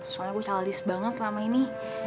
soalnya gue calonis banget selama ini